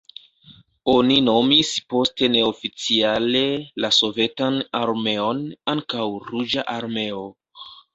Oni nomis poste neoficiale la Sovetan Armeon ankaŭ Ruĝa Armeo.